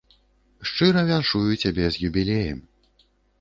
Шчыра віншую цябе з юбілеем.